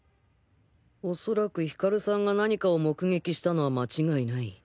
恐らくヒカルさんが何かを目撃したのは間違いない。